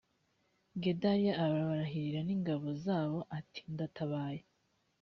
gedaliya abarahirana n ingabo zabo ati ndatabaye